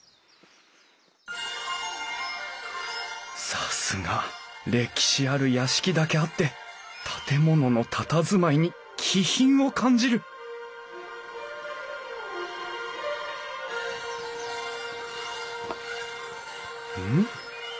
さすが歴史ある屋敷だけあって建物のたたずまいに気品を感じるうん？